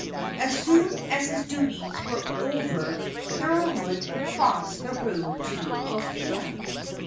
As soon as his duties were over Thorold crossed the room to Althea.